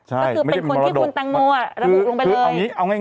ก็คือเป็นคนที่คุณแตงโมระบุลงไปเลย